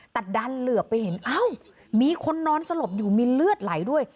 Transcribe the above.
แต่ดันเหลือไปเห็นเอ้ามีคนนอนสลบอยู่มีเลือดไหลด้วย